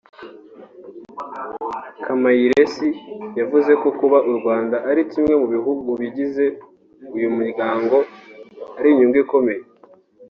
Kamayirese yavuze ko kuba u Rwanda ari kimwe mu bigize uyu muryango ari inyungu ikomeye